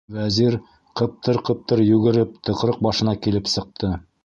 Вәзир ҡыптыр-ҡыптыр йүгереп, тыҡрыҡ башына килеп сыҡты.